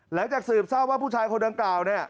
หลังจากสืบทราบว่าผู้ชายคนดังกล่าวเนี่ย